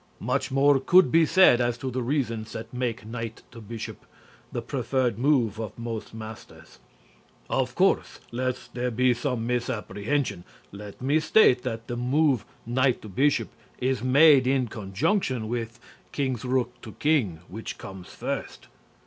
Much more could be said as to the reasons that make Kt B the preferred move of most masters.... Of course, lest there be some misapprehension, let me state that the move Kt B is made in conjunction with K R K, which comes first."